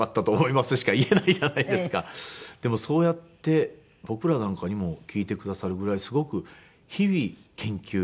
でもそうやって僕らなんかにも聞いてくださるぐらいすごく日々研究。